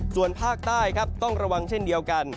ส่วนภาคใต้ครับต้องระวังเช่นเดียวกัน